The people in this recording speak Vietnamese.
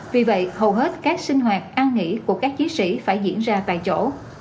vì vậy hầu hết các sinh hoạt an nghỉ của các chí sĩ phải diễn ra tại chỗ